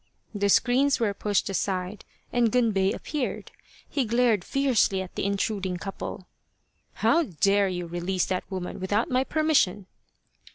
The screens were pushed aside and Gunbei appeared. He glared fiercely at the intruding couple. " How dare you release that woman without my permission